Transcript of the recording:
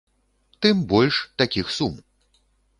Тым больш, такіх сум.